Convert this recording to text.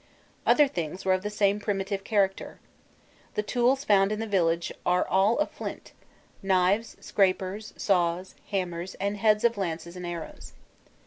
Other things were of the same primitive character. The tools found in the village are all of flint: knives, scrapers, saws, hammers, and heads of lances and arrows.